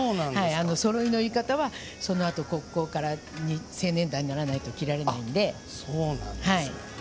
そろいの浴衣はそのあと高校から青年団にならないと着られないので。